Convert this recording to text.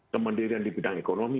kemendirian di bidang ekonomi